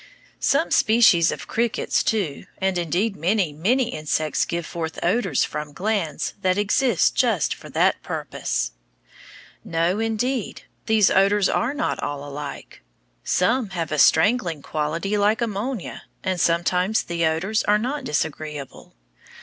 Some species of crickets, too, and indeed many, many insects give forth odors from glands that exist just for that purpose. No, indeed, these odors are not all alike. Some have a strangling quality like ammonia, and sometimes the odors are not disagreeable.